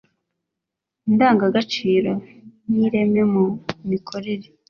Indangagaciro n ireme mu mikorere